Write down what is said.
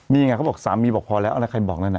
มีไงเขาบอกสามีบอกพอแล้วแล้วใครบอกนั่นน่ะ